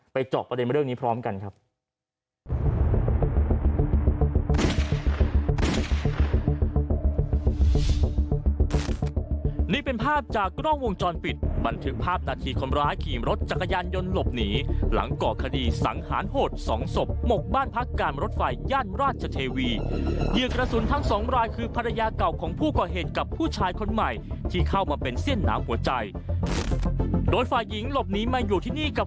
เจาะประเด็นเรื่องนี้พร้อมกันครับ